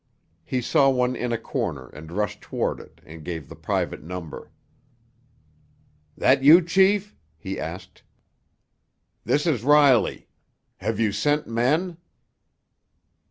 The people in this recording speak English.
He saw one in a corner, and rushed toward it and gave the private number. "That you, chief?" he asked. "This is Riley? Have you sent men?